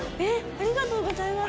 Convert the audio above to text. ありがとうございます。